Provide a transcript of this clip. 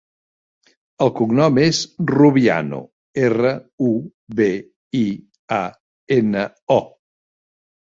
El cognom és Rubiano: erra, u, be, i, a, ena, o.